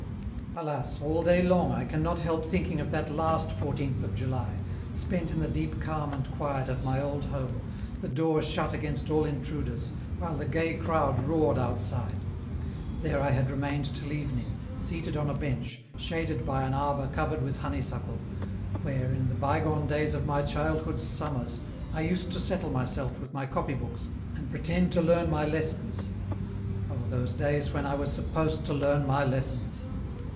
Alas! All day long, I can not help thinking of that last fourteenth of July, spent in the deep calm and quiet of my old home, the door shut against all intruders, while the gay crowd roared outside; there I had remained till evening, seated on a bench, shaded by an arbor covered with honeysuckle, where, in the bygone days of my childhood's summers, I used to settle myself with my copybooks and pretend to learn my lessons. Oh, those days when I was supposed to learn my lessons!